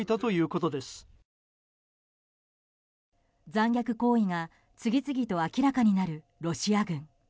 残虐行為が次々と明らかになるロシア軍。